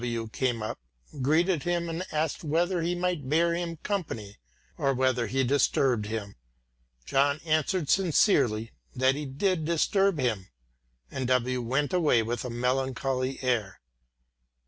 W. came up, greeted him, and asked whether he might bear him company or whether he disturbed him. John answered sincerely that he did disturb him, and W. went away with a melancholy air.